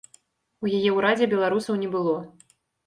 У яе ўрадзе беларусаў не было.